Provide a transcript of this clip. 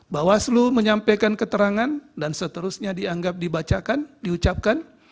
bawaslu menyampaikan keterangan dan seterusnya dianggap dibacakan diucapkan